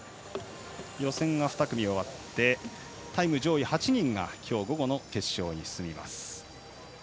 予選が２組終わってタイム上位８人が今日午後の決勝に進みます。